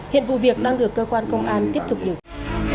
hiện vụ việc đang được cơ quan công an tiếp tục điều tra